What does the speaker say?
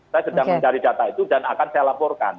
saya sedang mencari data itu dan akan saya laporkan